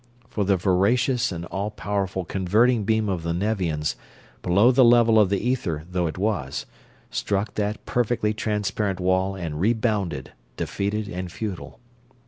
For the voracious and all powerful converting beam of the Nevians, below the level of the ether though it was, struck that perfectly transparent wall and rebounded, defeated and futile.